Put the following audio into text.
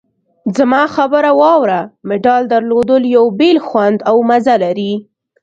زما خبره واوره! مډال درلودل یو بېل خوند او مزه لري.